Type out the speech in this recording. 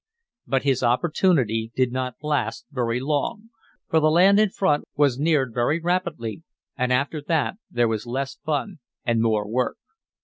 But his opportunity did not last very long, for the land in front was neared very rapidly, and after that there was less fun and more work.